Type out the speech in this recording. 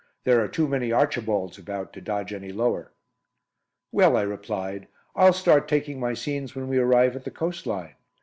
There are too many 'Archibalds' about to dodge any lower." "Well," I replied, "I'll start taking my scenes when we arrive at the coast line.